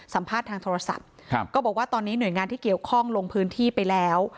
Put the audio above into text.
สัมภาษณ์ทางโทรศัพท์ครับก็บอกว่าตอนนี้หน่วยงานที่เกี่ยวข้องลงพื้นที่ไปแล้ว